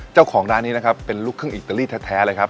เจ้าของร้านนี้นะครับเป็นลูกครึ่งอิตาลีแท้เลยครับ